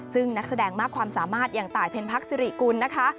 ซึ่งนักแสดงมากความสามารถอย่างตายเพ็ญพักสิริกุลนะคะ